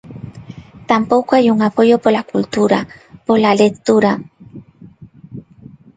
Tampouco hai un apoio pola cultura, pola lectura.